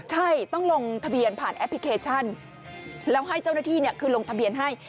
ใช่ต้องลงทะเบียนผ่านแอปพลิเคชันแล้วให้เจ้าหน้าที่คือลงทะเบียนให้